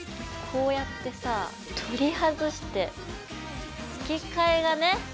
こうやってさ取り外して付け替えがね